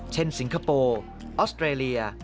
สิงคโปร์ออสเตรเลีย